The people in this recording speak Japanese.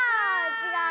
ちがう！